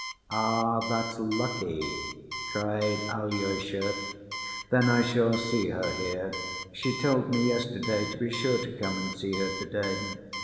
"Ah, that's lucky," cried Alyosha. "Then I shall see her here. She told me yesterday to be sure to come and see her to‐day."